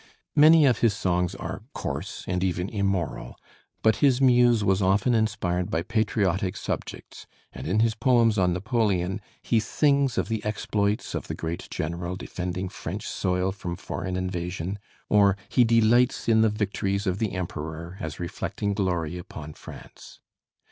Many of his songs are coarse and even immoral; but his muse was often inspired by patriotic subjects, and in his poems on Napoleon he sings of the exploits of the great general defending French soil from foreign invasion, or he delights in the victories of the Emperor as reflecting glory upon France.